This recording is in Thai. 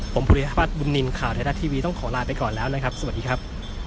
ผมภูริพัฒนบุญนินทร์ข่าวไทยรัฐทีวีต้องขอลาไปก่อนแล้วนะครับสวัสดีครับ